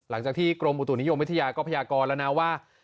หลังจากที่กรมอุตุนิยมวิทยาก็พยากรแล้วนะว่า